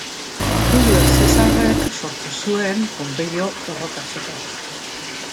Julio Zesarrek sortu zuen Ponpeio borrokatzeko.